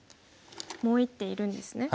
もう１手いるんですね。